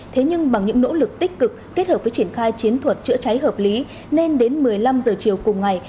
thế nhưng bằng những nỗ lực tích cực kết hợp với triển khai chiến thuật chữa cháy hợp lý nên đến một mươi năm giờ chiều cùng ngày